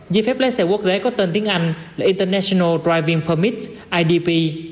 giấy phép lái xe quốc tế có tên tiếng anh là international driving permit idp